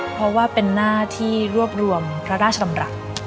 เพราะว่าเป็นหน้าที่รวบรวมพระราชดำรัฐ